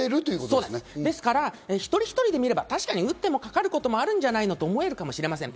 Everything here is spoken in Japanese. ですから、一人一人で見れば打ってもかかることあるんじゃないのと思うかもしれません。